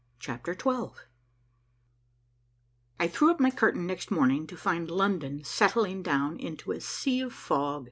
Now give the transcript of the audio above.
CHAPTER XII I threw up my curtain next morning to find London settling down into a sea of fog.